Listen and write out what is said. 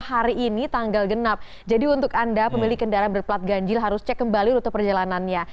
hari ini tanggal genap jadi untuk anda pemilik kendaraan berplat ganjil harus cek kembali rute perjalanannya